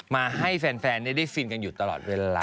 มาให้แฟนได้ฟินกันอยู่ตลอดเวลา